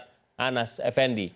dan warga nasional fnd